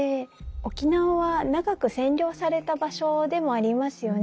沖縄は長く占領された場所でもありますよね。